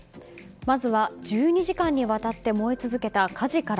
まずは１２時間にわたって燃え続けた火事から。